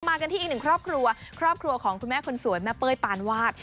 กันที่อีกหนึ่งครอบครัวครอบครัวของคุณแม่คนสวยแม่เป้ยปานวาด